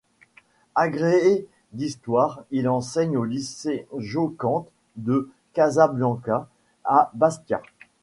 Agrégé d'histoire, il enseigne au lycée Giocante de Casabianca, à Bastia.